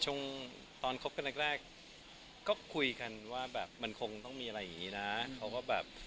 ช่วงตอนคบกันแรกแรกก็คุยกันว่าแบบมันคงต้องมีอะไรอย่างนี้นะเขาก็แบบ